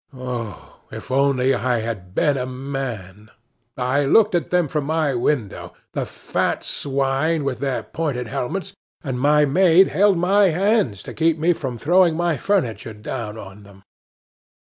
Oh, if only I had been a man! I looked at them from my window the fat swine, with their pointed helmets! and my maid held my hands to keep me from throwing my furniture down on them.